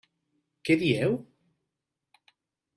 Què dieu?